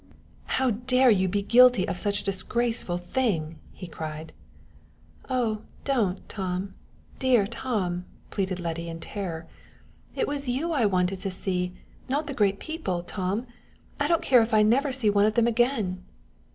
"How dare you be guilty of such a disgraceful thing!" he cried. "Oh, don't, Tom dear Tom!" pleaded Letty in terror. "It was you I wanted to see not the great people, Tom! I don't care if I never see one of them again."